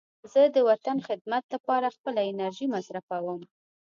زه د وطن د خدمت لپاره خپله انرژي مصرفوم.